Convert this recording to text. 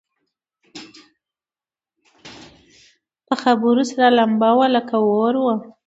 په خبرو سره لمبه وه لکه اور وه